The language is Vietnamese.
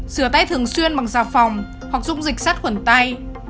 rửa tay thường xuyên bằng xà phòng hoặc dùng dịch sát khuẩn tay